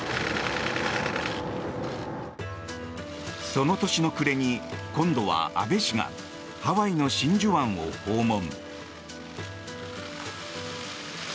その年の暮れに今度は安倍氏がハワイの真珠湾を訪問。